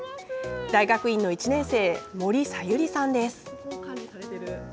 大学院の１年生森小百合さんです。